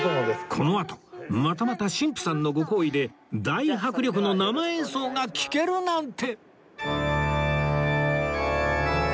このあとまたまた神父さんのご厚意で大迫力の生演奏が聴けるなんて！